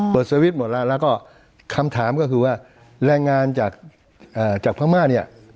เปิดสวิตช์หมดแล้วก็คำถามก็คือว่าแรงงานจากจากพม่าเนี่ย